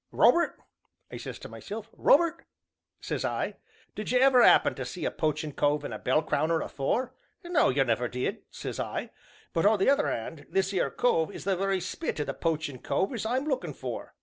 'Robert,' I says to meself, 'Robert,' I sez, 'did you ever 'appen to see a poachin' cove in a bell crowner afore? No, you never did,' sez I. 'But, on the other 'and, this 'ere cove is the very spit o' the poachin' cove as I'm a lookin' for.